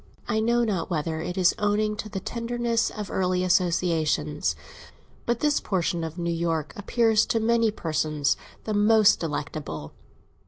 I know not whether it is owing to the tenderness of early associations, but this portion of New York appears to many persons the most delectable.